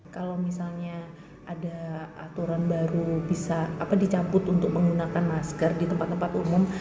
kalau misalnya ada aturan baru bisa dicabut untuk menggunakan masker di tempat tempat umum